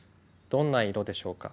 どんな色でしょうか？